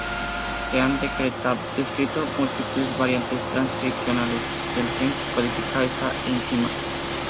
Se han descrito múltiples variantes transcripcionales del gen que codifica esta enzima.